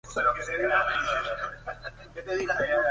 Algunos proyectos no solo se despliegan